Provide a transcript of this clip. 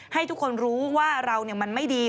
ให้ทุกคนรู้ว่าเรามันไม่ดี